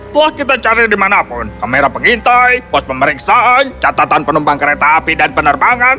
kelah kita cari di mana pun kamera pengintai pos pemeriksaan catatan penumpang kereta api dan penerbangan